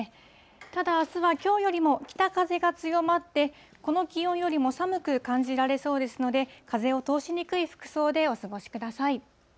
ただあすは、きょうよりも北風が強まって、この気温よりも寒く感じられそうですので、風を通しにくい服装でお過ごしください。